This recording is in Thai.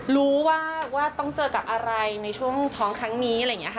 รู้ว่าต้องเจอกับอะไรในช่วงท้องครั้งนี้อะไรอย่างนี้ค่ะ